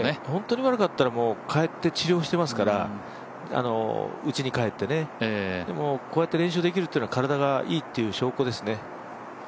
本当に悪かったらうちに帰って治療していますからでもこうやって練習できるというのは、体がいいという証拠ですね。